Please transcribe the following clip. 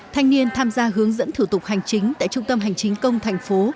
thanh niên tham gia hướng dẫn thủ tục hành chính tại trung tâm hành chính công thành phố